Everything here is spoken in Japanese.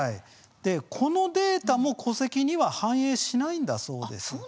このデータも戸籍には反映しないんだそうです。